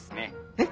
えっ？